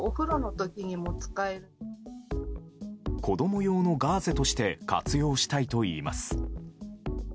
子供用のガーゼとして活用したいといいます。